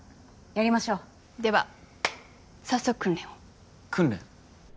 やりましょうでは早速訓練を訓練？